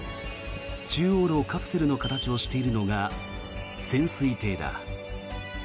中央のカプセルの形をしているのが潜水艇だ。